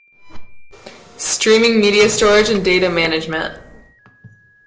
Streaming media storage and data management.